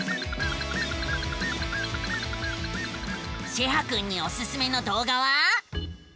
シェハくんにおすすめのどうがは？